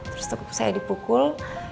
terus tukup saya dipukul